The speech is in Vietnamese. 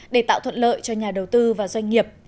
để tạo thuận lợi cho nhà đầu tư và doanh nghiệp